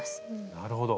なるほど。